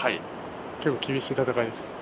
結構厳しい戦いですか？